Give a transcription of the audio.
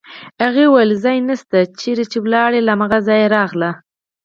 هغې وویل: ځای نشته، چېرې چې ولاړه وه له هماغه ځایه راغله.